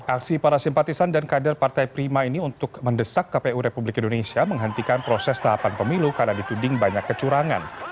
aksi para simpatisan dan kader partai prima ini untuk mendesak kpu republik indonesia menghentikan proses tahapan pemilu karena dituding banyak kecurangan